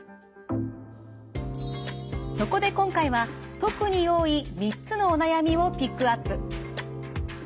そこで今回は特に多い３つのお悩みをピックアップ。